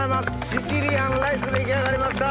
シシリアンライス出来上がりました！